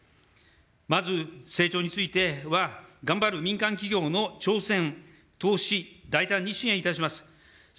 まず成長については頑張る民間企業の挑戦、投資、大胆に支援いたします。